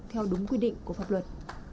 theo đúng quy định của pháp luật